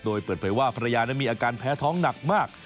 โดยเปิดเผยว่าภรรยานั้นมีอาการแพ้ท้องหนักมาก